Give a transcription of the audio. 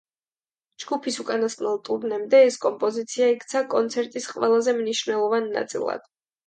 ჯგუფის უკანასკნელ ტურნემდე ეს კომპოზიცია იქცა კონცერტების ყველაზე მნიშვნელოვან ნაწილად.